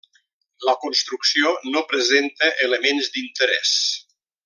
La construcció no presenta elements d'interès.